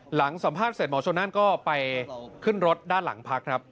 หลังสัมภาษณ์เสร็จหมอชนนั่นก็ไปขึ้นรถด้านหลังพักครับ